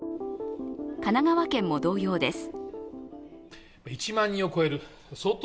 神奈川県も同様です。